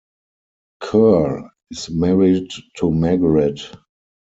Kerr is married to Margaret.